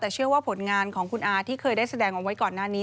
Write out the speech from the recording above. แต่เชื่อว่าผลงานของคุณอาที่เคยได้แสดงเอาไว้ก่อนหน้านี้